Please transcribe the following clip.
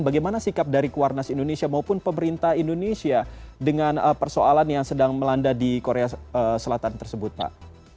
bagaimana sikap dari kuarnas indonesia maupun pemerintah indonesia dengan persoalan yang sedang melanda di korea selatan tersebut pak